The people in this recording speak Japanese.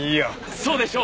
そうでしょ！